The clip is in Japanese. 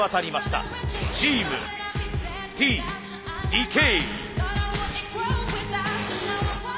チームＴ・ＤＫ。